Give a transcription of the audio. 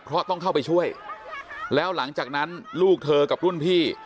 เพราะต้องเข้าไปช่วยแล้วหลังจากนั้นลูกเธอกับรุ่นพี่